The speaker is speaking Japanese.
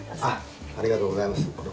ありがとうございます。